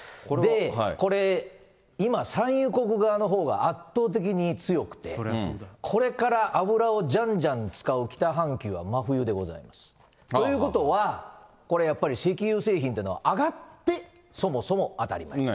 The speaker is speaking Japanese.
これ、今、産油国側のほうが圧倒的に強くて、これから油をじゃんじゃん使う北半球は真冬でございます。ということは、これやっぱり、石油製品っていうのは上がってそもそも当たり前。